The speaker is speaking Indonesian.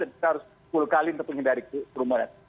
kita harus sepuluh kali lebih menghindari krumerat